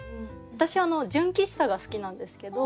私純喫茶が好きなんですけど